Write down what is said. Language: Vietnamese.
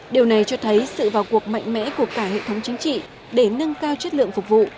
điều này cho thấy sự vào cuộc mạnh mẽ của cả hệ thống chính trị để nâng cao chất lượng phục vụ